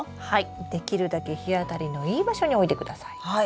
できるだけ日当たりのいい場所に置いてください。